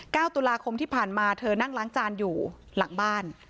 ตุลาคมที่ผ่านมาเธอนั่งล้างจานอยู่หลังบ้าน